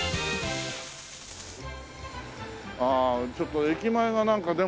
ああちょっと駅前がなんか。